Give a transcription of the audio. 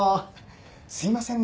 すいませんね